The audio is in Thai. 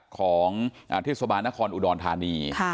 ของทศพาณคลอุดรฑานี